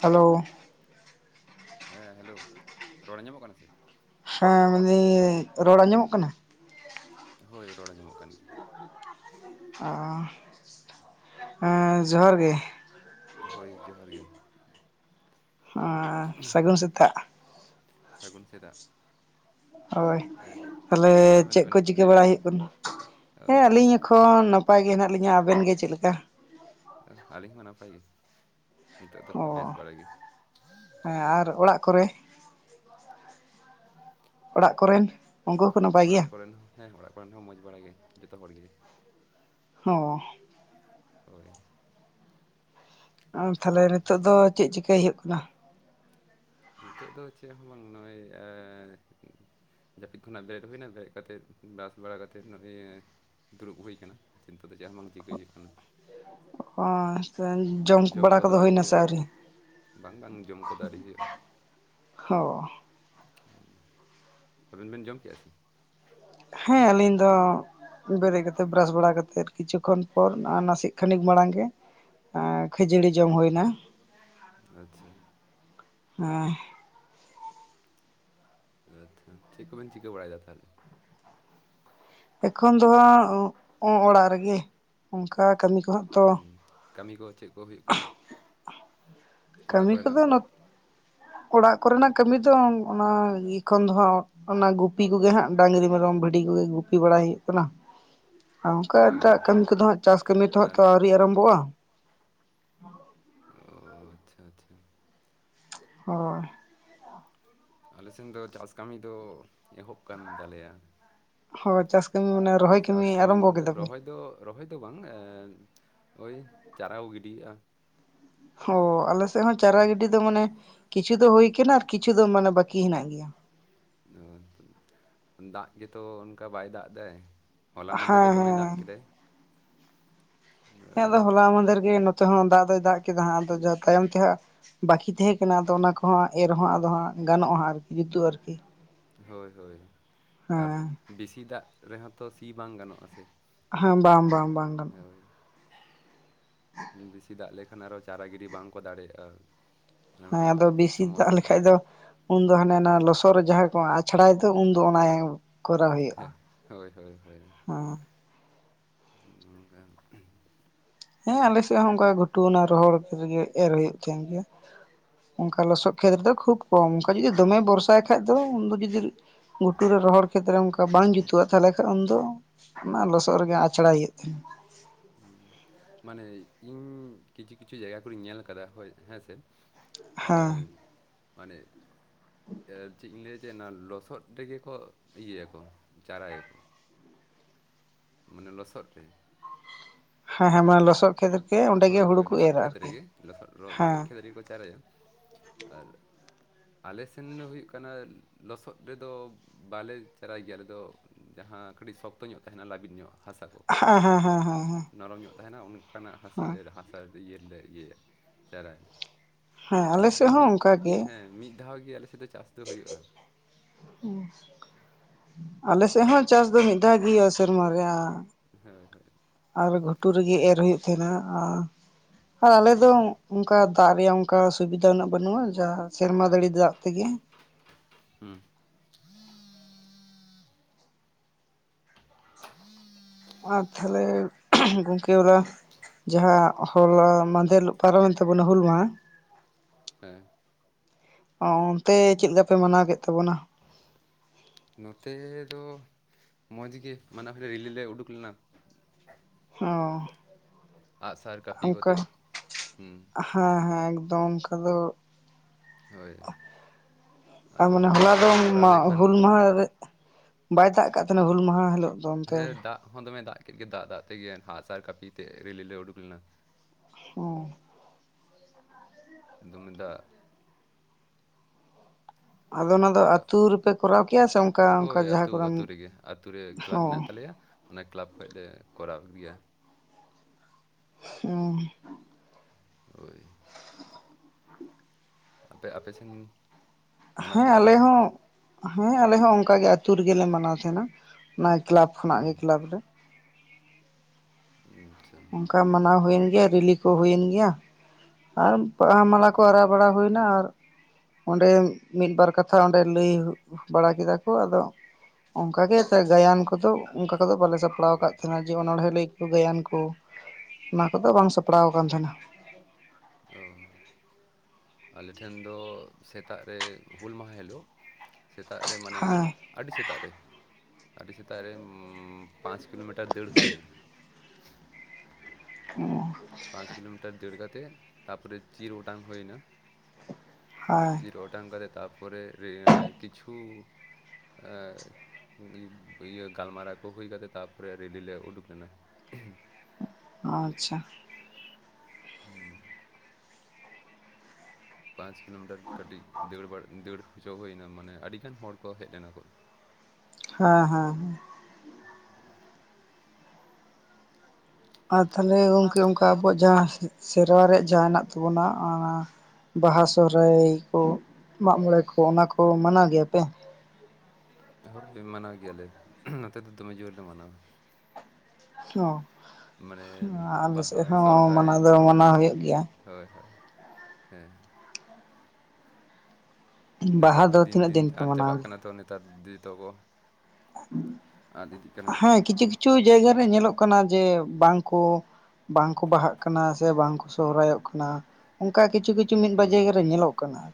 Hello. ᱦᱮᱸ hello ᱨᱚᱲ ᱟᱸᱡᱚᱢᱚᱜ ᱠᱟᱱᱟ ᱥᱮ? ᱦᱮᱸ ᱢᱮᱱᱫᱟᱹᱧ ᱨᱚᱲ ᱟᱸᱡᱚᱢᱚᱜ ᱠᱟᱱᱟ? ᱦᱳᱭ ᱨᱚᱲ ᱧᱟᱢᱚᱜ ᱠᱟᱱ ᱟ ᱮᱸ ᱡᱚᱦᱟᱨ ᱜᱮ᱾ ᱦᱳᱭ ᱡᱚᱦᱟᱨ ᱜᱮ᱾ ᱟᱸ ᱥᱟᱹᱜᱩᱱ ᱥᱮᱛᱟᱜ᱾ ᱥᱟᱹᱜᱩᱱ ᱥᱮᱛᱟᱜ᱾ ᱦᱳᱭ ᱦᱮᱸ ᱛᱟᱦᱞᱮ ᱞᱮᱠᱟ ᱪᱮᱫ ᱢᱮᱱᱟᱜ ᱠᱚ ᱵᱮᱱᱟ ᱪᱤᱠᱟᱹ ᱞᱟᱹᱭ ᱵᱮᱱ? ᱵᱟᱲᱟᱭ ᱦᱩᱭᱩᱜ ᱠᱟᱱᱟ? ᱚ, ᱦᱮᱸ ᱟᱹᱞᱤᱧ ᱮᱠᱷᱚᱱ ᱱᱟᱯᱟᱭ ᱜᱮ ᱦᱮᱱᱟᱜ ᱞᱤᱧᱟᱹ, ᱟᱵᱮᱱ ᱜᱮ ᱪᱮᱫ ᱞᱮᱠᱟ? ᱟᱹᱞᱤᱧ ᱦᱚᱸ ᱱᱟᱯᱟᱭ ᱜᱮ, ᱱᱤᱛᱚᱜ ᱫᱚ ᱚ ᱵᱮᱥ ᱵᱟᱲᱟ ᱜᱮ᱾ ᱦᱮᱸ ᱟᱨ ᱚᱲᱟᱜ ᱠᱚᱨᱮ ᱚᱲᱟᱜ ᱠᱚᱨᱮᱱ ᱩᱱᱠᱩ ᱱᱟᱯᱟᱭ ᱚᱲᱟᱜ ᱜᱮᱭᱟ? ᱠᱚᱨᱮᱱ ᱦᱚᱸ ᱦᱮᱸ ᱚᱲᱟᱜ ᱠᱚᱨᱮᱱ ᱦᱚᱸ ᱢᱚᱸᱡᱽ ᱵᱟᱲᱟᱭ ᱜᱮ ᱡᱚᱛᱚ ᱦᱚᱲ ᱜᱮ ᱚ ᱦᱳᱭ ᱟᱨ ᱛᱟᱦᱞᱮ ᱱᱤᱛᱚᱜ ᱫᱚ ᱪᱮᱫ ᱪᱤᱠᱟᱹᱭ ᱦᱳᱭᱳᱜ ᱠᱟᱱᱟ? ᱱᱤᱛᱚᱜ ᱫᱚ ᱪᱮᱫ ᱦᱚᱸ ᱵᱟᱝ ᱱᱚᱜᱼᱚᱭ ᱟᱭ ᱡᱟᱹᱯᱤᱫ ᱠᱷᱚᱱᱟᱜ ᱵᱮᱨᱮᱫ ᱦᱩᱭ ᱮᱱᱟ ᱵᱮᱨᱮᱫ ᱠᱟᱛᱮᱫ ᱵᱨᱟᱥ ᱵᱟᱲᱟ ᱠᱟᱛᱮᱫ ᱱᱚᱜᱼᱚᱭ ᱫᱩᱲᱩᱵ ᱦᱩᱭ ᱟᱠᱟᱱᱟ ᱱᱮᱛᱚᱜ ᱫᱚ ᱡᱟᱦᱟᱸ ᱵᱟᱝ ᱪᱤᱠᱟᱹ ᱦᱳᱭᱳᱜ ᱠᱟᱱᱟ᱾ ᱚ ᱡᱚᱢ ᱠᱚᱫᱚ ᱟᱹᱣᱨᱤ ᱦᱳᱭᱳᱜᱼᱟ ᱵᱟᱝ ᱵᱟᱝ ᱡᱚᱢ ᱠᱚᱫᱚ ᱟᱹᱣᱨᱤ ᱦᱳᱭᱳᱜᱼᱟ᱾ ᱦᱚ ᱟᱵᱮᱱ ᱵᱮᱱ ᱡᱚᱢ ᱠᱮᱜ-ᱟ ᱥᱮ ᱦᱮᱸ ᱟᱹᱞᱤᱧ ᱫᱚ ᱵᱮᱨᱮᱫ ᱠᱟᱛᱮᱜ ᱵᱨᱟᱥ ᱵᱟᱲᱟ ᱠᱟᱛᱮᱜ ᱠᱤᱪᱷᱩ ᱠᱷᱚᱱ ᱯᱚᱨ ᱱᱟᱥᱮᱜ ᱠᱷᱟᱹᱱᱤᱠ ᱢᱟᱲᱟᱝ ᱜᱮ ᱮᱸ ᱠᱷᱟᱹᱡᱟᱹᱲᱤ ᱡᱚᱢ ᱦᱳᱭ ᱮᱱᱟ᱾ ᱟᱪᱪᱷᱟ᱾ ᱦᱮᱸ ᱟᱪᱪᱷᱟ ᱪᱮᱫ ᱠᱚᱵᱮᱱ ᱪᱤᱠᱟᱹ ᱵᱟᱲᱟᱭᱮᱫᱟ ᱛᱟᱦᱚᱞᱮ? ᱮᱠᱷᱚᱱ ᱫᱚ ᱦᱟᱸᱜ ᱚᱲᱟᱜ ᱨᱮᱜᱮ ᱚᱱᱠᱟ ᱠᱟᱹᱢᱤ ᱠᱚ ᱦᱟᱜ ᱦᱩᱸ ᱠᱟᱹᱢᱤ ᱠᱚ ᱪᱮᱫ ᱠᱚ ᱦᱩᱭᱩᱜ ᱠᱟᱱᱟ? ᱚᱲᱟᱜ ᱠᱟᱹᱢᱤ ᱠᱚᱫᱚ ᱠᱚᱨᱮᱱᱟᱜ ᱚᱲᱟᱜ ᱠᱚᱨᱮᱱᱟᱜ ᱠᱟᱹᱢᱤ ᱫᱚ ᱚᱱᱟ ᱮᱠᱷᱚᱱ ᱫᱚ ᱦᱟᱸᱜ ᱚᱱᱟ ᱜᱩᱯᱤ ᱠᱚᱜᱮ ᱦᱟᱸᱜ ᱰᱟᱝᱨᱤ ᱢᱮᱨᱚᱢ ᱵᱷᱤᱰᱤ ᱠᱚᱜᱮ ᱜᱩᱯᱤ ᱵᱟᱲᱟᱭ ᱦᱩᱭᱩᱜ ᱠᱟᱱᱟ᱾ ᱚᱱᱠᱟ ᱚ ᱮᱴᱟᱜ ᱠᱟᱹᱢᱤ ᱟᱪᱪᱷᱟ ᱠᱚᱫᱚ ᱦᱟᱸᱜ ᱪᱟᱥ ᱠᱟᱹᱢᱤ ᱛᱚ ᱟᱨ ᱟᱹᱣᱨᱤ ᱟᱨᱟᱢᱵᱚᱜᱼᱟ ᱚ ᱟᱪᱪᱷᱟ ᱟᱪᱪᱷᱟ ᱦᱳᱭ ᱟᱞᱮᱥᱮᱱ ᱫᱚ ᱪᱟᱥ ᱠᱟᱹᱢᱤ ᱫᱚ ᱮᱦᱚᱵ ᱟᱠᱟᱱ ᱛᱟᱞᱮᱭᱟ ᱦᱩᱭ ᱪᱟᱥ ᱠᱟᱹᱢᱤ ᱢᱟᱱᱮ ᱨᱚᱦᱚᱭ ᱪᱟᱥ ᱠᱟᱹᱢᱤ ᱟᱨᱟᱢᱵᱚ ᱵᱚᱞᱛᱮ ᱠᱮᱫᱟ ᱯᱮ ᱨᱚᱦᱚᱭ ᱫᱚ ᱨᱚᱦᱚᱭ ᱫᱚ ᱵᱟᱝ ᱳᱭ ᱪᱟᱨᱟ ᱠᱚ ᱜᱤᱰᱤᱭᱮᱫᱼᱟ ᱚ ᱟᱞᱮ ᱥᱮᱫ ᱦᱚᱸ ᱪᱟᱨᱟ ᱜᱤᱰᱤ ᱢᱟᱱᱮ ᱠᱤᱪᱷᱩ ᱫᱚ ᱦᱩᱭ ᱟᱠᱟᱱᱟ ᱟᱨ ᱠᱤᱪᱷᱩ ᱫᱚ ᱢᱟᱱᱮ ᱵᱟᱹᱠᱤ ᱦᱮᱱᱟᱜ ᱜᱮᱭᱟ ᱚ ᱫᱟᱜ ᱜᱮᱛᱚ ᱚᱱᱠᱟ ᱵᱟᱭ ᱫᱟᱜ ᱮᱫᱟᱭ ᱦᱚᱞᱟ ᱢᱟᱸᱫᱷᱮᱨ ᱦᱮᱸ ᱫᱚ ᱫᱚᱢᱮᱭ ᱦᱮᱸ ᱫᱟᱜ ᱠᱮᱫᱟᱭ ᱦᱮᱸ ᱟᱫᱚ ᱦᱚᱞᱟ ᱢᱫᱷᱮᱨ ᱜᱮ ᱱᱚᱛᱮ ᱦᱚᱸ ᱫᱟᱜ ᱫᱚᱭ ᱫᱟᱜ ᱠᱮᱫᱟ ᱦᱟᱸᱜ ᱟᱫᱚ ᱡᱟᱦᱟ ᱛᱟᱭᱚᱢ ᱛᱮ ᱦᱟᱸᱜ ᱵᱟᱠᱤ ᱛᱟᱦᱮᱸ ᱠᱟᱱᱟ ᱟᱫᱚ ᱚᱱᱟ ᱠᱚᱦᱚ ᱮᱨ ᱨᱮᱦᱚᱸ ᱟᱫᱚ ᱦᱟᱸᱜ ᱜᱟᱱᱚᱜᱼᱟ ᱟᱨᱠᱤ ᱡᱩᱛᱩᱜ-ᱟ ᱟᱨᱠᱤ ᱦᱳᱭ ᱦᱳᱭ ᱟᱨ ᱦᱮᱸ ᱵᱮᱥᱤ ᱫᱟᱜ ᱨᱮᱦᱚᱸ ᱛᱚ ᱥᱤ ᱵᱟᱝ ᱜᱟᱱᱚᱜ-ᱟ ᱥᱮ ᱦᱮᱸ ᱵᱟᱝ ᱵᱟᱝ ᱵᱟᱝ ᱜᱟᱱ ᱦᱳᱭ ᱵᱮᱥᱤ ᱫᱟᱜ ᱞᱮᱠᱷᱟᱱ ᱟᱨᱚ ᱪᱟᱨᱟ ᱜᱤᱰᱤ ᱵᱟᱝ ᱠᱚ ᱫᱟᱲᱮᱭᱟᱜᱼᱟ ᱚᱱᱟ ᱦᱮᱸ ᱢᱤᱫᱴᱤᱡ ᱟᱫᱚ ᱵᱮᱥᱤ ᱫᱟᱜ ᱥᱚᱢᱚᱥᱥᱟᱜᱼᱟ ᱞᱮᱠᱷᱟᱡ ᱫᱚ ᱩᱱᱫᱚ ᱦᱟᱱᱮ ᱚᱱᱟ ᱞᱚᱥᱚᱫ ᱨᱮ ᱡᱟᱦᱟᱸ ᱠᱚ ᱟᱪᱷᱲᱟᱭ ᱫᱚ ᱩᱱᱫᱚ ᱚᱱᱟ ᱠᱚᱨᱟᱣ ᱦᱩᱭᱩᱜᱼᱟ ᱦᱮ ᱦᱳᱭ ᱦᱳᱭ ᱚᱱᱠᱟ ᱦᱮᱸ ᱟᱞᱮ ᱥᱮᱫ ᱦᱚᱸ ᱚᱱᱠᱟ ᱜᱷᱩᱴᱩᱣᱱᱟ ᱨᱚᱦᱚᱲ ᱨᱮᱜᱮ ᱮᱨ ᱦᱩᱭᱩᱜ ᱛᱟᱦᱮᱸᱱ ᱜᱮᱭᱟ ᱚᱱᱠᱟ ᱞᱚᱥᱚᱫ ᱠᱷᱮᱛ ᱨᱮᱫᱚ ᱠᱷᱩᱵ ᱠᱚᱢ ᱚᱱᱠᱟ ᱡᱩᱫᱤ ᱫᱚᱢᱮ ᱵᱷᱚᱨᱥᱟᱭ ᱠᱷᱟᱡ ᱫᱚ ᱩᱱᱫᱚ ᱡᱩᱫᱤ ᱜᱩᱴᱩ ᱨᱮ ᱨᱚᱦᱚᱲ ᱠᱷᱮᱛ ᱨᱮ ᱚᱱᱠᱟ ᱵᱟᱝ ᱡᱩᱛᱩᱜᱼᱟ ᱛᱟᱦᱚᱞᱮ ᱠᱷᱟᱱ ᱩᱱᱫᱚ ᱚᱱᱟ ᱞᱚᱥᱚᱫ ᱨᱮᱜᱮ ᱟᱪᱷᱲᱟᱭ ᱦᱩᱭᱩᱜ ᱛᱟᱦᱮᱱ ᱢᱟᱱᱮ ᱤᱧ ᱠᱤᱪᱷᱩ ᱠᱤᱪᱷᱩ ᱡᱟᱭᱜᱟ ᱠᱚᱨᱮᱧ ᱧᱮᱞ ᱟᱠᱟᱫᱟ ᱦᱳᱭ ᱦᱮᱸ ᱥᱮ ᱦᱮᱸ [unintelligible] ᱢᱟᱱᱮ ᱪᱮᱫ ᱤᱧ ᱞᱟᱹᱭ ᱪᱮᱫ ᱚᱱᱟ ᱞᱚᱥᱚᱫ ᱨᱮᱜᱮ ᱠᱚ ᱤᱭᱟᱹᱭᱟᱠᱚ ᱪᱟᱨᱟᱭᱟᱠᱚ ᱢᱟᱱᱮ ᱞᱚᱥᱚᱫ ᱨᱮ ᱦᱮᱸ ᱦᱮᱸ ᱟᱨ ᱢᱟᱱᱮ ᱞᱚᱥᱚᱫ ᱠᱷᱮᱛ ᱨᱮᱜᱮ ᱚᱸᱰᱮ ᱜᱮ ᱦᱳᱭ ᱦᱩᱲᱩ ᱦᱳᱭ ᱠᱚ ᱞᱚᱥᱚᱫ ᱮᱨᱟ ᱠᱷᱮᱛ ᱟᱨᱠᱤ ᱨᱮᱜᱮᱜ ᱥᱚᱫ ᱞᱚᱥᱚᱫ ᱦᱮᱸ ᱠᱷᱮᱛ ᱨᱮᱜᱮ ᱠᱚ ᱪᱟᱨᱟᱭᱟ ᱟᱨ ᱟᱞᱮᱥᱮᱱ ᱫᱚ ᱦᱩᱭᱩᱜ ᱠᱟᱱᱟ ᱞᱚᱥᱚᱫ ᱨᱮᱫᱚ ᱵᱟᱞᱮ ᱪᱟᱨᱟᱭ ᱜᱮᱭᱟ ᱟᱞᱮ ᱫᱚ ᱡᱟᱦᱟᱸ ᱠᱟᱹᱴᱤᱡ ᱥᱚᱠᱛᱚ ᱧᱚᱜ ᱛᱟᱦᱮᱱᱟ ᱞᱟᱵᱤᱫ ᱧᱚᱜ ᱦᱟᱥᱟ ᱠᱚ ᱦᱮᱸ ᱦᱮᱸ ᱦᱮᱸᱦᱮᱸ ᱱᱚᱨᱚᱢ ᱧᱚᱜ ᱛᱟᱦᱮᱱᱟ ᱚᱱᱠᱟᱱᱟᱜ ᱦᱟᱥᱟ ᱦᱟᱥᱟ ᱤᱭᱟᱹ ᱨᱮᱞᱮ ᱤᱭᱟᱹᱭᱟ ᱪᱟᱨᱟᱭᱞᱮ ᱦᱮᱸ ᱟᱞᱮ ᱟᱞᱮᱥᱮᱫ ᱥᱮᱫ ᱫᱚ ᱦᱚᱸ ᱢᱤᱫ ᱚᱱᱠᱟ ᱜᱮ ᱦᱮᱸ ᱢᱤᱫ ᱫᱷᱟᱣ ᱜᱮ ᱟᱞᱮᱥᱮᱫ ᱫᱚ ᱪᱟᱥ ᱫᱚ ᱦᱩᱭᱩᱜᱼᱟ ᱟᱞᱮ ᱥᱮᱫ ᱦᱚᱸ ᱪᱟᱥ ᱫᱚ ᱢᱤᱫ ᱫᱷᱟᱣ ᱜᱮ ᱥᱮᱨᱢᱟ ᱨᱮᱭᱟᱜ ᱦᱳᱭ ᱦᱳᱭ ᱟᱨ ᱜᱷᱩᱴᱩ ᱨᱮᱜᱮ ᱮᱨ ᱦᱩᱭᱩᱜ ᱛᱟᱦᱮᱱᱟ ᱟᱨ ᱟᱨ ᱟᱞᱮ ᱫᱚ ᱚᱱᱠᱟ ᱫᱟᱜ ᱨᱮᱭᱟᱜ ᱚᱱᱠᱟ ᱥᱩᱵᱤᱫᱷᱟ ᱩᱱᱟᱹᱜ ᱵᱟᱹᱱᱩᱜᱼᱟ ᱡᱟ ᱥᱮᱨᱢᱟ ᱦᱮᱸ ᱫᱟᱲᱮ ᱫᱟᱜ ᱛᱮᱜᱮ ᱦᱩᱸ ᱟᱨ ᱛᱟᱦᱚᱞᱮ ᱜᱚᱝᱠᱮ ᱚᱞᱟ ᱡᱟᱦᱟᱸ ᱦᱚᱞᱟ ᱢᱟᱫᱮᱞᱜ ᱯᱟᱨᱚᱢᱮᱱ ᱛᱟᱵᱚᱱᱟ ᱦᱩᱞ ᱢᱟᱦᱟᱸ ᱦᱮᱸ ᱚ ᱚᱱᱛᱮ ᱪᱮᱫ ᱞᱮᱠᱟ ᱯᱮ ᱢᱟᱱᱟᱣ ᱠᱮᱫ ᱛᱟᱵᱚᱱᱟ ᱱᱚᱛᱮ ᱫᱚ ᱢᱚᱡᱽ ᱜᱮ ᱢᱟᱱᱟ ᱦᱳᱭ ᱨᱤᱞᱤ ᱞᱮ ᱩᱰᱩᱠ ᱞᱮᱱᱟ ᱦᱚᱸ ᱟᱜᱼᱥᱟᱨ ᱠᱟᱹᱯᱤ ᱠᱚ ᱠᱟᱛᱮᱫ ᱦᱩᱸ ᱦᱮᱸ ᱦᱮᱸ ᱮᱠᱫᱚᱢ ᱚᱱᱠᱟ ᱫᱚ ᱦᱳᱭ ᱟᱨ ᱟᱵᱚ ᱢᱟᱱᱮ ᱱᱚᱣᱟ ᱦᱚᱞᱟ ᱫᱚ ᱵᱟᱝ ᱠᱚᱨᱟᱣ ᱢᱟ ᱞᱮᱠᱷᱟᱱ ᱦᱩᱞ ᱢᱟᱦᱟ ᱨᱮ ᱵᱟᱭ ᱫᱟᱜ ᱠᱟᱜ ᱛᱟᱸᱦᱮᱱᱟ ᱦᱩᱞ ᱢᱟᱦᱟ ᱦᱤᱞᱳᱜ ᱫᱚ ᱚᱱᱛᱮ ᱦᱮᱸ ᱫᱟᱜ ᱦᱚᱸ ᱫᱚᱢᱮ ᱫᱟᱜ ᱠᱮᱫ ᱜᱮ ᱫᱟᱜ ᱫᱟᱜ ᱛᱮᱜᱮ ᱮᱱᱦᱚᱸ ᱟᱸᱜ ᱟᱨ ᱠᱟᱹᱯᱤ ᱛᱮ ᱨᱮᱞᱤ ᱞᱮ ᱩᱰᱩᱠ ᱞᱮᱱᱟ ᱦᱚᱸ ᱫᱚᱢᱮ ᱫᱟᱜ ᱟᱫᱚ ᱚᱱᱟ ᱫᱚ ᱚᱠᱟ ᱟᱹᱛᱩ ᱨᱮᱯᱮ ᱠᱚᱨᱟᱣ ᱠᱮᱭᱟ ᱥᱮ ᱚᱱᱠᱟ ᱦᱳᱭ ᱚᱱᱠᱟ ᱡᱟᱦᱟᱸ ᱟᱛᱳ ᱠᱚᱨᱮ ᱟᱛᱳ ᱨᱮᱜᱮ ᱟᱹᱛᱩ ᱨᱮ ᱠᱞᱟᱵᱽ ᱚ ᱢᱮᱱᱟᱜ ᱛᱟᱞᱮᱭᱟ ᱚᱱᱮ ᱠᱞᱟᱵᱽ ᱠᱷᱚᱡ ᱞᱮ ᱠᱚᱨᱟᱣ ᱜᱮᱭᱟ ᱩᱦᱩᱸ ᱦᱳᱭ ᱟᱯᱮ ᱟᱯᱮ ᱥᱮᱱ ᱢᱟᱱᱟᱣ ᱦᱮᱸ ᱠᱮᱜᱼᱟ ᱟᱞᱮ ᱯᱮ ᱦᱚᱸ ᱦᱮᱸ ᱟᱞᱮ ᱦᱚᱸ ᱚᱱᱠᱟ ᱜᱮ ᱟᱹᱛᱩ ᱨᱮᱜᱮ ᱞᱮ ᱢᱟᱱᱟᱣ ᱛᱟᱸᱦᱮᱱᱟ ᱚᱱᱟ ᱠᱮᱞᱟᱵᱽ ᱦᱩᱸ ᱠᱷᱚᱱᱟᱜ ᱜᱮ ᱠᱞᱟᱵᱽ ᱨᱮ ᱟᱪᱪᱷᱟ ᱚᱱᱠᱟ ᱢᱟᱱᱟᱣ ᱦᱩᱭᱮᱱ ᱜᱮᱭᱟ ᱨᱤᱞᱤ ᱠᱚ ᱦᱩᱭᱮᱱ ᱜᱮᱭᱟ ᱟᱨ ᱵᱟᱦᱟ ᱢᱟᱞᱟ ᱠᱚ ᱟᱨᱟᱣ ᱵᱟᱲᱟ ᱦᱩᱭ ᱱᱟ ᱟᱨ ᱚᱸᱰᱮ ᱢᱤᱫ ᱵᱟᱨ ᱠᱟᱛᱷᱟ ᱚᱸᱰᱮ ᱞᱟᱹᱭ ᱵᱟᱲᱟ ᱠᱮᱫᱟ ᱠᱚ ᱟᱫᱚ ᱚᱱᱠᱟ ᱜᱮ ᱜᱟᱭᱟᱱ ᱠᱚᱫᱚ ᱚᱱᱠᱟ ᱠᱚᱫᱚ ᱵᱟᱞᱮ ᱥᱟᱯᱲᱟᱣ ᱦᱩᱸ ᱟᱠᱟᱫ ᱛᱟᱸᱦᱮᱱᱟ ᱡᱮᱢᱚᱱ ᱚᱸᱲᱦᱮ ᱞᱟᱹᱭ ᱠᱚ ᱜᱟᱭᱟᱱ ᱠᱚ ᱚᱱᱟ ᱠᱚᱫᱚ ᱵᱟᱝ ᱥᱟᱯᱲᱟᱣ ᱠᱟᱱ ᱛᱟᱸᱦᱮᱱᱟ ᱚ ᱟᱞᱮ ᱴᱷᱮᱱ ᱫᱚ ᱥᱮᱛᱟᱜ ᱨᱮ ᱦᱩᱞ ᱢᱟᱦᱟ ᱦᱤᱞᱳᱜ ᱥᱮᱛᱟᱜ ᱨᱮ ᱢᱟᱱᱮ ᱦᱮᱸ ᱟᱹᱰᱤ ᱥᱮᱛᱟᱜ ᱨᱮ ᱟᱹᱰᱤ ᱥᱮᱛᱟᱜ ᱨᱮ [unintelligible] ᱯᱟᱸᱪ ᱠᱤᱞᱳᱢᱤᱴᱟᱨ ᱫᱟᱹᱲ ᱦᱩᱭ ᱱᱟ ᱚ ᱯᱟᱸᱪ ᱠᱤᱞᱳᱢᱤᱴᱟᱨ ᱫᱟᱹᱲ ᱠᱟᱛᱮᱫ ᱛᱟᱯᱚᱨᱮ ᱪᱤᱨ ᱚᱴᱟᱝ ᱦᱩᱭ ᱮᱱᱟ ᱟᱸᱻ ᱛᱚ, ᱚᱴᱟᱝ ᱠᱟᱛᱮ ᱛᱟᱨᱯᱚᱨᱮ ᱠᱤᱪᱷᱩ ᱮᱸᱻ ᱤᱭᱟᱹ ᱜᱟᱞᱢᱟᱨᱟᱣ ᱠᱚ ᱦᱩᱭ ᱠᱟᱛᱮᱫ ᱛᱟᱯᱚᱨᱮ ᱨᱮᱞᱤ ᱞᱮ ᱩᱰᱩᱠ ᱞᱮᱱᱟ ᱟᱪᱪᱷᱟ ᱦᱩᱸ ᱯᱟᱸᱪ ᱠᱤᱞᱳᱢᱤᱴᱟᱨ ᱠᱟᱹᱴᱤᱡ ᱫᱟᱹᱲ ᱵᱟᱲᱟ ᱫᱟᱹᱲ ᱦᱚᱪᱚ ᱦᱩᱭᱱᱟ ᱢᱟᱱᱮ ᱟᱹᱰᱤᱜᱟᱱ ᱦᱚᱲ ᱠᱚ ᱦᱮᱡ ᱞᱮᱱᱟ ᱠᱚ ᱦᱚᱸ ᱦᱚᱸ ᱦᱚᱸ ᱟᱨ ᱛᱟᱦᱞᱮ ᱟᱨ ᱜᱚᱝᱠᱮ ᱚᱝᱠᱟ ᱛᱟᱦᱚᱞᱮ ᱟᱵᱚᱣᱟᱜ ᱡᱟᱦᱟᱸ ᱥᱮᱨᱣᱟ ᱨᱮᱭᱟᱜ ᱡᱟᱦᱟᱸ ᱦᱮᱱᱟᱜ ᱛᱟᱵᱚᱱᱟ ᱮᱸᱻ ᱵᱟᱦᱟ ᱥᱚᱦᱨᱟᱭ ᱠᱚ ᱢᱟᱜ ᱢᱚᱬᱮ ᱠᱚ ᱚᱱᱟ ᱠᱚ ᱢᱟᱱᱟᱣ ᱜᱮᱭᱟ ᱯᱮ ᱦᱳᱭ ᱢᱟᱱᱟᱣ ᱜᱮᱭᱟ ᱞᱮ ᱱᱚᱛᱮ ᱫᱚ ᱫᱚᱢᱮ ᱡᱳᱨ ᱞᱮ ᱢᱟᱱᱟᱣᱟ ᱚ, ᱢᱟᱱᱮ ᱟᱞᱮ ᱵᱟᱦᱟ ᱥᱮᱫ ᱦᱚᱸ ᱥᱚᱨᱦᱟᱭ ᱢᱟᱱᱟᱣ ᱫᱚ ᱢᱟᱱᱟᱣ ᱦᱩᱭᱩᱜ ᱜᱮᱭᱟ ᱦᱳᱭ ᱦᱳᱭ ᱦᱮᱸ ᱱᱮᱛᱟᱨ ᱵᱟᱦᱟ ᱫᱚ ᱫᱤᱱ ᱛᱤᱱᱟᱹᱜ ᱫᱤᱱ ᱛᱮ ᱯᱮ ᱟᱫ ᱢᱟᱱᱟᱣ ᱪᱟᱵᱟᱜ ᱜᱮᱭᱟ ᱠᱟᱱᱟ ᱛᱚ ᱱᱮᱛᱟᱨ ᱫᱤᱫᱤ ᱛᱟᱠᱚ ᱦᱮᱸ ᱠᱤᱪᱷᱩ ᱠᱤᱪᱷᱩ ᱡᱟᱭᱜᱟ ᱨᱮ ᱧᱮᱞᱚᱜ ᱠᱟᱱᱟ ᱡᱮ ᱵᱟᱝ ᱠᱚ ᱵᱟᱝ ᱠᱚ ᱵᱟᱦᱟᱜ ᱠᱟᱱᱟ ᱥᱮ ᱵᱟᱝ ᱠᱚ ᱥᱚᱦᱨᱟᱭᱚᱜ ᱠᱟᱱᱟ ᱚᱱᱠᱟ ᱠᱤᱪᱷᱩ ᱠᱤ ᱠᱤᱪᱷᱩ ᱢᱤᱫ ᱵᱟᱨ ᱦᱩᱸ ᱡᱟᱭᱜᱟ ᱨᱮ ᱧᱮᱞᱚᱜ ᱠᱟᱱᱟ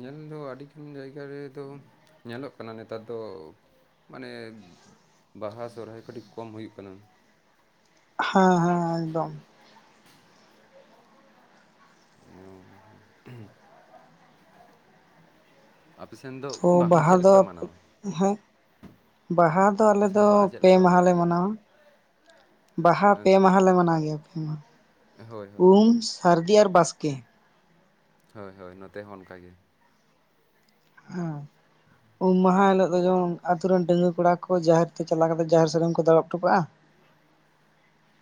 ᱧᱮᱞ ᱫᱚ ᱟᱹᱰᱤᱜᱟᱱ ᱡᱟᱭᱜᱟ ᱨᱮᱫᱚ ᱧᱮᱞᱚᱜ ᱠᱟᱱᱟ ᱱᱮᱛᱟᱨ ᱫᱚ ᱢᱟᱱᱮ ᱵᱟᱦᱟ ᱥᱚᱨᱦᱟᱭ ᱠᱟᱹᱴᱤᱡ ᱠᱚᱢ ᱦᱩᱭᱩᱜ ᱠᱟᱱᱟ ᱦᱮᱸ ᱦᱮᱸ ᱮᱠᱫᱚᱢ ᱚ ᱟᱯᱮ ᱥᱮᱱ ᱫᱚ ᱛᱚ ᱵᱟᱦᱟ ᱪᱮᱫ ᱞᱮᱠᱟ ᱯᱮ ᱫᱚ ᱢᱟᱱᱟᱣᱟ ᱦᱮᱸ, ᱵᱟᱦᱟ ᱫᱚ ᱟᱯᱮ ᱟᱞᱮ ᱥᱮᱱ ᱫᱚ ᱵᱟᱦᱟ ᱪᱮᱫ ᱯᱮ ᱞᱮᱠᱟ ᱢᱟᱦᱟᱟ ᱢᱟᱱᱟᱣ ᱞᱮ ᱜᱮᱭᱟ ᱢᱟᱱᱟᱣᱟ ᱵᱟᱦᱟ ᱯᱮ ᱟᱪᱪᱷᱟ ᱢᱟᱦᱟ ᱞᱮ ᱟᱪᱪᱷᱟ ᱢᱟᱱᱟᱣ ᱜᱮᱭᱟ ᱯᱮ ᱢᱟᱦᱟ ᱦᱳᱭ ᱦᱳᱭ ᱩᱢ ᱥᱟᱹᱨᱫᱤ ᱟᱨ ᱵᱟᱥᱠᱮ ᱦᱳᱭ ᱦᱳᱭ ᱱᱚᱛᱮ ᱦᱚᱸ ᱚᱱᱠᱟ ᱜᱮ ᱦᱮᱸ, ᱩᱢ ᱢᱟᱦᱟ ᱦᱤᱞᱳᱜ ᱫᱚ ᱡᱮᱢᱚᱱ ᱟᱛᱳ ᱨᱮᱱ ᱰᱟᱺᱜᱩᱣᱟᱹ ᱠᱚᱲᱟ ᱠᱚ ᱡᱟᱦᱮᱨ ᱛᱮ ᱪᱟᱞᱟᱣ ᱠᱟᱛᱮ ᱡᱟᱦᱮᱨ ᱥᱟᱹᱲᱤᱢ ᱠᱚ ᱫᱟᱞᱚᱵ ᱦᱚᱴᱚ ᱠᱟᱜᱼᱟ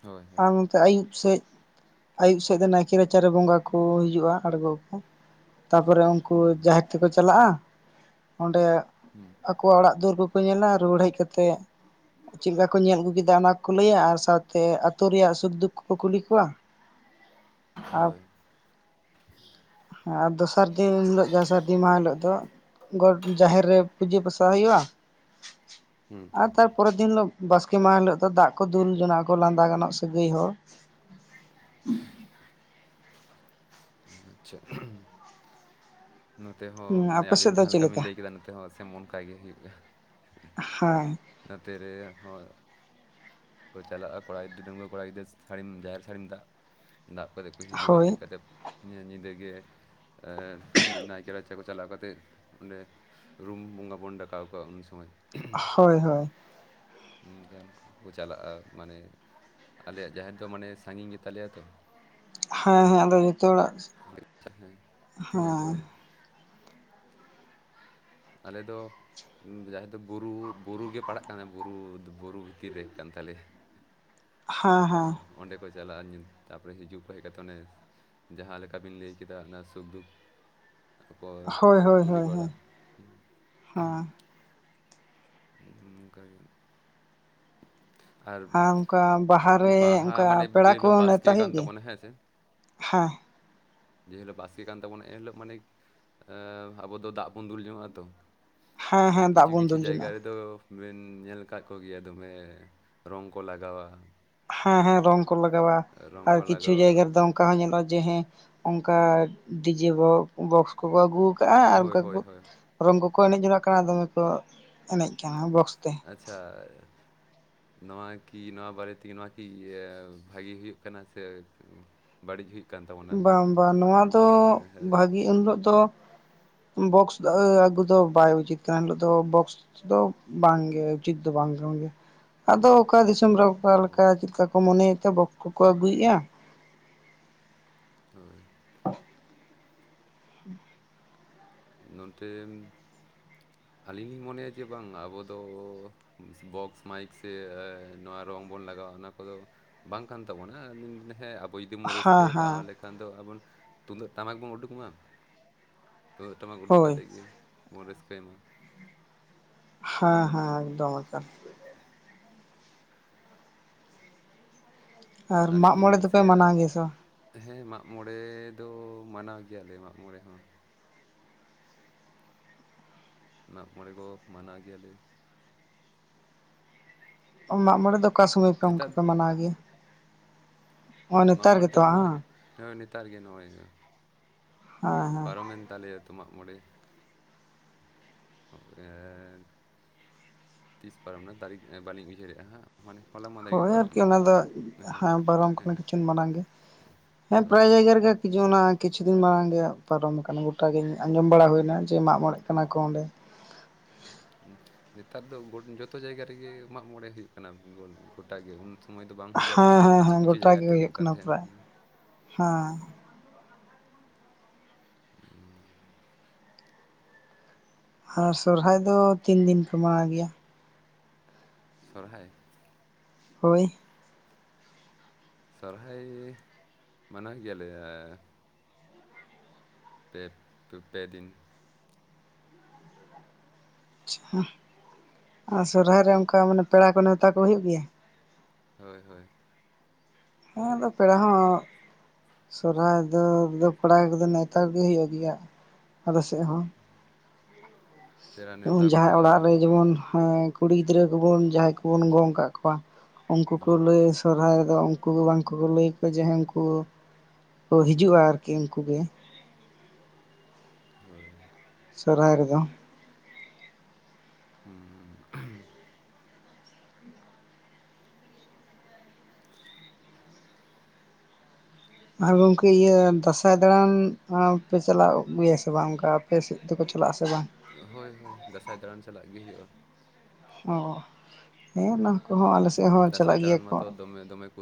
ᱦᱳᱭ ᱦᱳᱭ ᱟᱨ ᱱᱚᱛᱮ ᱟᱹᱭᱩᱵ ᱥᱮᱡ ᱟᱭᱭᱩᱵ ᱥᱮᱫ ᱫᱚ ᱱᱟᱭᱠᱮ ᱨᱟᱪᱟᱨᱮ ᱵᱚᱸᱜᱟ ᱠᱚ ᱦᱤᱡᱩᱜᱼᱟ ᱟᱬᱜᱚᱣᱟᱚ ᱛᱟᱯᱚᱨᱮ ᱩᱱᱠᱩ ᱦᱩᱸ ᱡᱟᱦᱮᱨ ᱛᱮᱠᱚ ᱪᱟᱞᱟᱜᱼᱟ ᱚᱸᱰᱮ ᱦᱩᱸ ᱟᱠᱚᱣᱟᱜ ᱚᱲᱟᱜ ᱫᱩᱣᱟᱹᱨ ᱠᱚᱠᱚ ᱧᱮᱞᱟ ᱨᱩᱩᱭᱟᱹᱲ ᱦᱮᱡ ᱠᱟᱛᱮ ᱪᱮᱫ ᱞᱮᱠᱟ ᱠᱚ ᱧᱮᱞ ᱟᱹᱜᱩ ᱠᱮᱫᱟ ᱚᱱᱟ ᱠᱚ ᱞᱟᱹᱭᱟ ᱟᱨ ᱥᱟᱶᱛᱮ ᱟᱹᱛᱚ ᱨᱮᱭᱟᱜ ᱥᱩᱠᱫᱩᱠ ᱠᱚ ᱠᱩᱞᱤ ᱠᱚᱣᱟ ᱟᱨ ᱦᱳᱭ ᱟᱨ ᱫᱚᱥᱟᱨ ᱫᱤᱱ ᱤᱱ ᱦᱤᱞᱳᱜ ᱡᱟᱦᱟᱸ ᱥᱟᱹᱨᱫᱤ ᱢᱟᱦᱟ ᱦᱤᱞᱳᱜ ᱫᱚ ᱜᱚᱴ ᱡᱟᱦᱮᱸᱨ ᱨᱮ ᱯᱩᱡᱟᱹ ᱯᱟᱥᱟ ᱦᱩᱭᱩᱜᱼᱟ ᱦᱩᱸ ᱟᱨ ᱛᱟᱨᱯᱚᱨᱮᱨ ᱫᱤᱱ ᱦᱤᱞᱳᱜ ᱵᱟᱥᱠᱮ ᱢᱟᱦᱟ ᱦᱤᱞᱳᱜ ᱫᱚ ᱫᱟᱜ ᱠᱚ ᱫᱩᱞ ᱡᱚᱱᱟᱜᱼᱟ ᱠᱚ ᱞᱟᱸᱫᱟ ᱜᱟᱱᱚᱜ ᱥᱟᱹᱜᱟᱹᱭ ᱦᱚᱲ ᱟᱪᱪᱷᱟ ᱱᱚᱛᱮ ᱦᱚᱸ ᱦᱮᱸ ᱢᱟᱱᱮ ᱟᱯᱮ ᱥᱮᱫ ᱟᱵᱤᱱ ᱫᱚ ᱡᱟᱦᱟᱸ ᱪᱮᱫ ᱞᱮᱠᱟ ᱵᱤᱱ ᱞᱟᱹᱭ ᱠᱮᱫᱟ ᱱᱚᱛᱮ ᱦᱚᱸ ᱥᱮᱢ ᱚᱱᱠᱟ ᱜᱮ ᱦᱩᱭᱩᱜᱼᱟ ᱦᱮᱸ ᱱᱚᱛᱮ ᱨᱮ ᱦᱚᱸ ᱠᱚ ᱪᱟᱞᱟᱜᱼᱟ ᱠᱚᱲᱟ ᱜᱤᱫᱽᱨᱟᱹ ᱰᱟᱺᱜᱽᱣᱟᱹ ᱠᱚᱲᱟ ᱜᱤᱫᱟᱹᱨ ᱥᱟᱹᱲᱤᱢ ᱡᱟᱦᱮᱨ ᱥᱟᱹᱲᱤᱢ ᱫᱟᱵ ᱫᱟᱵ ᱠᱟᱛᱮ ᱠᱚ ᱦᱤᱡᱩᱜᱼᱟ ᱦᱳᱭ ᱦᱮᱡ ᱠᱟᱛᱮ ᱧᱤᱼᱧᱤᱫᱟᱹ ᱜᱮ ᱱᱟᱭᱠᱮ ᱨᱟᱪᱟ ᱛᱮ ᱠᱚ ᱪᱟᱞᱟᱣ ᱠᱟᱛᱮᱫ ᱚᱸᱰᱮ ᱨᱩᱢ ᱵᱚᱸᱜᱟ ᱵᱚᱱ ᱰᱟᱠᱟᱣ ᱠᱚᱣᱟ ᱩᱱ ᱥᱚᱢᱚᱭ ᱦᱳᱭ ᱦᱳᱭ ᱚᱱᱠᱟᱱ ᱠᱚᱼᱠᱚ ᱪᱟᱞᱟᱜᱼᱟ ᱢᱟᱱᱮ ᱟᱞᱮᱭᱟᱜ ᱡᱟᱦᱮᱸᱨ ᱫᱚ ᱢᱟᱱᱮ ᱥᱟᱺᱜᱤᱧ ᱜᱮᱛᱟ ᱞᱮᱭᱟ ᱛᱚ ᱦᱮᱸ ᱦᱮᱸ ᱟᱫᱚ ᱡᱚᱛᱚ ᱦᱚᱲᱟᱜ [unintelligible] ᱦᱮᱸ ᱦᱳᱭ ᱦᱮᱸ ᱦᱳᱭ [inaudible] ᱟᱞᱮ ᱫᱚ ᱡᱟᱦᱮᱸᱨ ᱫᱚ ᱵᱩᱨᱩ ᱵᱩᱨᱩ ᱜᱮ ᱯᱟᱲᱟᱜ ᱠᱟᱱᱟ ᱵᱩᱨᱩ ᱵᱩᱨᱩ ᱵᱷᱤᱛᱤᱨ ᱨᱮ ᱠᱟᱱ ᱛᱟᱞᱮᱭᱟ ᱦᱮᱸ ᱦᱮᱸ ᱚᱸᱰᱮ ᱠᱚ ᱪᱟᱞᱟᱜᱼᱟ ᱛᱟᱯᱚᱨᱮ ᱦᱤᱡᱩᱜ ᱠᱚ ᱦᱮᱡ ᱠᱟᱛᱮ ᱚᱱᱮ ᱡᱟᱦᱟᱸ ᱞᱮᱠᱟ ᱵᱤᱱ ᱞᱟᱹᱭ ᱠᱮᱫᱟ ᱚᱱᱟ ᱥᱩᱠ ᱫᱩᱠ ᱟᱠᱚ ᱦᱳᱭ ᱦᱳᱭ ᱠᱩᱞᱤ ᱦᱳᱭ ᱵᱟᱲᱟ ᱦᱮᱸ ᱦᱮᱸ ᱚᱱᱠᱟ ᱜᱮ ᱟᱨ ᱚᱱᱠᱟ ᱵᱟᱦᱟ ᱨᱮ ᱵᱟᱦᱟ ᱚᱱᱠᱟ ᱢᱟᱱᱮ ᱯᱮᱲᱟ ᱡᱮ ᱠᱚ ᱦᱤᱞᱳᱜ ᱱᱮᱶᱛᱟ ᱵᱟᱥᱠᱮ ᱦᱩᱭᱩᱜ ᱠᱟᱱ ᱜᱮᱭᱟ ᱛᱟᱵᱚᱱᱟ ᱦᱮᱸ ᱥᱮ ᱦᱮᱸ ᱡᱮ ᱦᱤᱞᱳᱜ ᱵᱟᱥᱠᱮ ᱠᱟᱱ ᱛᱟᱵᱚᱱᱟ ᱮᱱᱦᱤᱞᱳᱜ ᱢᱟᱱᱮ ᱟᱵᱚ ᱫᱚ ᱫᱟᱜ ᱵᱚᱱ ᱫᱩᱞ ᱧᱚᱜᱚᱜᱼᱟ ᱛᱚ ᱦᱮᱸ ᱟᱨ ᱦᱮᱸ ᱫᱟᱜ ᱠᱤᱪᱩ ᱵᱚᱱ ᱠᱤᱪᱩ ᱫᱩᱞ ᱡᱟᱭᱜᱟ ᱡᱚᱱᱟᱜᱼᱟ ᱨᱮ ᱫᱚ ᱵᱮᱱ ᱧᱮᱞ ᱟᱠᱟᱜ ᱠᱚ ᱜᱮᱭᱟ ᱫᱚᱢᱮ ᱨᱚᱝ ᱠᱚ ᱞᱟᱜᱟᱣᱟ ᱦᱮᱸ ᱦᱮᱸ ᱨᱚᱝ ᱠᱚ ᱞᱟᱜᱟᱣᱟ ᱨᱚᱝ ᱟᱨ ᱠᱚ ᱠᱤᱪᱷᱩ ᱞᱟᱜᱟᱣᱟ ᱡᱟᱭᱜᱟ ᱨᱮᱫᱚ ᱚᱱᱠᱟ ᱦᱚᱸ ᱧᱮᱞᱚᱜᱼᱟ ᱡᱮ ᱦᱮᱸ ᱚᱱᱠᱟ ᱰᱤᱡᱮ ᱵᱚᱠ ᱵᱚᱠᱥ ᱠᱚᱠᱚ ᱟᱹᱜᱩᱣᱟᱠᱟ-ᱟ ᱟᱨ ᱦᱳᱭ ᱚᱱᱠᱟ ᱠᱚ ᱦᱳᱭ ᱦᱳᱭ ᱨᱚᱝ ᱠᱚᱠᱚ ᱮᱱᱮᱡ ᱡᱚᱱᱚᱜ ᱠᱟᱱᱟ ᱫᱚᱢᱮ ᱠᱚ ᱮᱱᱮᱡ ᱠᱟᱱᱟ ᱵᱚᱠᱥ ᱛᱮ ᱟᱪᱪᱷᱟ ᱱᱚᱣᱟ ᱠᱤ ᱱᱚᱣᱟ ᱵᱟᱨᱮ ᱛᱮᱜᱮ ᱱᱚᱣᱟ ᱠᱤ ᱵᱷᱟᱜᱮ ᱦᱩᱭᱩᱜ ᱠᱟᱱᱟ ᱥᱮ? ᱵᱟᱹᱲᱤᱡ ᱦᱩᱭᱩᱜ ᱠᱟᱱ ᱛᱟᱵᱚ ᱵᱟᱝ ᱵᱟᱝ ᱱᱚᱣᱟ ᱫᱚ ᱵᱷᱟᱹᱜᱤ ᱩᱱ ᱦᱤᱞᱳᱜ ᱫᱚ ᱵᱚᱠᱥ ᱟᱜᱩ ᱫᱚ ᱵᱟᱭ ᱩᱪᱤᱛ ᱠᱟᱱᱟ ᱮᱱᱦᱤᱞᱚᱜ ᱫᱚ ᱵᱚᱠᱥ ᱫᱚ ᱵᱟᱝᱜᱮ ᱩᱪᱤᱛ ᱫᱚ ᱵᱟᱝ ᱠᱟᱱ ᱜᱮᱭᱟ ᱟᱫᱚ ᱚᱠᱟ ᱫᱤᱥᱚᱢ ᱨᱮ ᱚᱠᱟᱱᱞᱮᱠᱟ ᱦᱳᱭ ᱪᱮᱫᱠᱟ ᱠᱚ ᱢᱚᱱᱮᱭᱮᱫ ᱛᱮ ᱵᱚᱠ ᱠᱚ ᱠᱚ ᱟᱹᱜᱩᱭᱮᱫᱼᱟ ᱦᱳᱭ ᱱᱚᱱᱛᱮᱢ ᱟᱹᱞᱤᱧ ᱞᱤᱧ ᱢᱚᱱᱮᱭᱟ ᱡᱮ ᱵᱟᱝ ᱟᱵᱚ ᱫᱚ ᱵᱚᱠᱥ ᱢᱟᱭᱤᱠ ᱥᱮ ᱱᱚᱣᱟ ᱨᱚᱝ ᱵᱚᱱ ᱞᱟᱜᱟᱣᱟ ᱚᱱᱟ ᱠᱚᱫᱚ ᱵᱟᱝ ᱠᱟᱱ ᱛᱟᱵᱚᱱᱟ ᱟᱵᱚ ᱡᱩᱫᱤ ᱵᱚᱱ ᱦᱮᱸ ᱨᱟᱹᱥᱠᱟᱹᱭᱟ ᱦᱮᱸ ᱛᱟᱦᱚᱞᱮ ᱠᱷᱟᱱ ᱫᱚ ᱟᱵᱚ ᱛᱩᱢᱫᱟᱹᱜ ᱴᱟᱢᱟᱠ ᱵᱚᱱ ᱩᱰᱩᱠ ᱢᱟ ᱛᱩᱢᱫᱟᱹᱜ ᱴᱟᱢᱟᱠ ᱩᱰᱩᱠ ᱦᱳᱭ ᱠᱟᱛᱮ ᱜᱮ ᱵᱚᱱ ᱨᱟᱹᱥᱠᱟᱹᱭ ᱢᱟ ᱦᱮᱸᱦᱮᱸ ᱮᱠᱫᱚᱢ ᱮᱠᱟ ᱟᱨ ᱢᱟᱜ ᱟᱹᱞᱤᱧ ᱞᱤᱧ ᱢᱚᱬᱮ ᱫᱚᱯᱮ ᱫᱤᱥᱟᱹᱭᱟ ᱢᱟᱱᱟᱣ ᱜᱮᱭᱟ ᱥᱮ ᱦᱮᱸ ᱢᱟᱜᱽᱢᱚᱬᱮ ᱫᱚ ᱢᱟᱱᱟᱣ ᱜᱮᱭᱟ ᱞᱮ ᱢᱟᱜᱽᱢᱚᱬᱮ ᱦᱚᱸ ᱢᱟᱜ ᱢᱚᱬᱮ ᱠᱚ ᱢᱟᱱᱟᱣ ᱜᱤᱭᱟ ᱞᱮ ᱢᱟᱜ ᱢᱚᱬᱮ ᱫᱚ ᱚᱠᱟ ᱥᱚᱢᱚᱭ ᱯᱮ ᱚᱱᱠᱟ ᱱᱮᱛᱟᱨ ᱯᱮ ᱢᱟᱱᱟᱣ ᱜᱮᱭᱟ? ᱱᱚᱜᱼᱚᱭ ᱢᱟ ᱱᱮᱛᱟᱨ ᱢᱟᱡᱽ ᱫᱚ ᱜᱮᱛᱚ ᱱᱩᱭ ᱵᱟᱝ ᱱᱚᱜ-ᱚᱭ ᱱᱮᱛᱟᱨ ᱜᱮ ᱱᱚᱣᱟ. ᱭ ᱦᱩᱭᱩᱜ-ᱟ ᱦᱮᱸ ᱦᱮᱸ ᱯᱟᱨᱚᱢᱮᱱ ᱛᱟᱞᱮᱭᱟ ᱛᱚ ᱢᱟᱜ ᱢᱚᱬᱮ ᱯᱚᱨᱮ ᱛᱤᱥ [unintelligible] ᱛᱟᱹᱨᱤᱠᱷ ᱵᱟᱹᱞᱤᱧ ᱩᱭᱦᱟᱹᱨᱮᱜᱼᱟ ᱦᱟᱸᱜ ᱾ ᱦᱳᱭ ᱟᱨᱠᱤ ᱚᱱᱟ ᱫᱚ ᱦᱳᱭ ᱦᱮᱸ ᱯᱟᱨᱚᱢ ᱠᱟᱱ ᱠᱤᱪᱷᱩ ᱢᱟᱲᱟᱝ ᱜᱮ, ᱦᱮᱸ ᱦᱳᱭ ᱯᱨᱟᱭ ᱦᱳᱭ ᱡᱟᱭᱜᱟ ᱨᱮᱜᱮ, [unintelligible] ᱚᱱᱟ ᱠᱤᱪᱷᱩ ᱫᱤᱱ ᱢᱟᱲᱟᱝ ᱜᱮ ᱯᱟᱨᱚᱢ ᱠᱟᱱᱟ ᱜᱚᱴᱟ ᱜᱮ ᱟᱸᱡᱚᱢ ᱵᱟᱲᱟ ᱦᱩᱭᱱᱟ ᱡᱮ ᱢᱟᱜ ᱢᱚᱬᱮᱜ ᱠᱟᱱᱟ ᱠᱚ ᱚᱸᱰᱮ, ᱱᱮᱛᱟᱨ ᱫᱚ ᱡᱚᱛᱚ ᱡᱟᱭᱜᱟ ᱨᱮᱜᱮ ᱢᱟᱜ ᱢᱚᱬᱮ ᱦᱩᱭᱩᱜ ᱠᱟᱱᱟ ᱜᱚᱴᱟ ᱜᱮ ᱩᱱ ᱥᱚᱢᱚᱭ ᱫᱚ ᱵᱟᱝ ᱦᱩᱭ ᱵᱟᱲᱟᱜ ᱠᱟᱱ ᱦᱮᱸ ᱛᱟᱸᱦᱮᱱ ᱦᱮᱸ ᱠᱤᱪᱷᱩ ᱦᱮᱸ ᱠᱤᱪᱷᱩ ᱜᱚᱴᱟ ᱜᱮ ᱡᱟᱭᱜᱟᱛᱮ ᱦᱩᱭᱩᱜ ᱠᱟᱱ ᱠᱟᱱᱟ ᱛᱟᱦᱮᱸᱱ ᱯᱨᱟᱭ ᱦᱩᱸ ᱦᱮᱸ ᱦᱮᱸ ᱟᱨ ᱥᱚᱨᱦᱟᱭ ᱫᱚ ᱛᱤᱱ ᱫᱤᱱ ᱯᱮ ᱢᱟᱱᱟᱣ ᱜᱮᱭᱟ? ᱥᱚᱨᱦᱟᱭ ᱦᱳᱭ ᱥᱚᱨᱦᱟᱭ ᱢᱟᱱᱟᱣ ᱜᱮᱭᱟᱞᱮ ᱾ ᱯᱮ ᱯᱮ ᱯᱮ ᱫᱤᱱ, ᱟᱪᱪᱷᱟ ᱟᱨ ᱥᱚᱨᱦᱟᱭ ᱨᱮ ᱚᱱᱠᱟ ᱢᱟᱱᱮ ᱯᱮᱲᱟ ᱠᱚ ᱱᱮᱶᱛᱟ ᱠᱚ ᱦᱩᱭᱩᱜ ᱜᱮᱭᱟ? ᱦᱳᱭ ᱦᱳᱭ ᱦᱮᱸ ᱟᱫᱚ ᱯᱮᱲᱟ ᱦᱚᱸ ᱥᱚᱨᱦᱟᱭ ᱫᱚ ᱠᱚᱲᱟᱭ ᱠᱚᱫᱚ ᱱᱮᱣᱛᱟ ᱜᱮ ᱦᱩᱭᱩᱜ ᱜᱮᱭᱟ ᱟᱞᱮ ᱥᱮᱫ ᱦᱚᱸ ᱯᱮᱲᱟ ᱯᱩᱱ ᱱᱮᱣᱛᱟ ᱠᱚ ᱡᱟᱦᱟᱸᱭ ᱪᱟᱞᱟᱜ ᱚᱲᱟᱜ ᱨᱮ ᱦᱩᱭᱩᱜᱼᱟ ᱡᱮᱢᱚᱱ ᱦᱟᱸᱠ ᱠᱩᱲᱤ ᱜᱤᱫᱽᱨᱟᱹ ᱠᱚᱵᱚᱱ ᱡᱟᱦᱟᱸᱭ ᱠᱚᱵᱚᱱ ᱜᱚᱝ ᱟᱠᱟᱫ ᱠᱚᱣᱟ ᱩᱱᱠᱩ ᱠᱚ ᱦᱩᱸ ᱞᱟᱹᱭ ᱥᱚᱨᱦᱟᱭ ᱨᱮᱫᱚ ᱩᱱᱠᱩ ᱵᱟᱝ ᱠᱚᱠᱚ ᱞᱟᱹᱭ ᱟᱠᱚᱣᱟ ᱡᱮ ᱩᱱᱠᱩ ᱠᱚ ᱦᱤᱡᱩᱜᱼᱟ, ᱟᱨᱠᱤ ᱩᱱᱠᱩᱜ ᱜᱮ ᱦᱳᱭ ᱥᱚᱨᱦᱟᱭ ᱨᱮᱫᱚ ᱦᱩᱸ ᱟᱨ ᱜᱚᱢᱠᱮ ᱤᱭᱟᱹ ᱫᱟᱸᱥᱟᱭ ᱫᱟᱬᱟᱱ ᱯᱮ ᱪᱟᱞᱟᱣ ᱟᱹᱜᱩᱭᱟ ᱥᱮ ᱵᱟᱝ ᱚᱱᱠᱟ ᱟᱯᱮ ᱥᱮᱫ ᱛᱮᱠᱚ ᱪᱟᱞᱟᱜ ᱟᱥᱮ ᱵᱟᱝ? ᱦᱳᱭ ᱦᱳᱭ ᱫᱟᱸᱥᱟᱭ ᱫᱟᱬᱟᱱ ᱪᱟᱞᱟᱜ ᱜᱮ ᱦᱩᱭᱩᱜᱼᱟ ᱾ ᱚ ᱦᱮᱸ ᱚᱱᱟ ᱠᱚᱦᱚᱸ ᱟᱞᱮ ᱥᱮᱫ ᱦᱚᱸ ᱫᱟᱸᱥᱟᱭ ᱪᱟᱞᱟᱜ ᱜᱮᱭᱟ ᱫᱟᱬᱟᱱ ᱠᱚ ᱢᱟᱛᱚ ᱾ ᱫᱚᱢᱮ ᱫᱚᱢᱮ ᱠᱚ